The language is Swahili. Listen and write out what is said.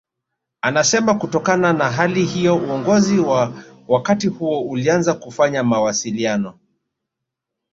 Anasema kutokana na hali hiyo uongozi wa wakati huo ulianza kufanya mawasiliano